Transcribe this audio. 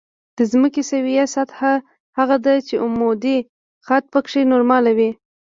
د ځمکې سویه سطح هغه ده چې عمودي خط پکې نورمال وي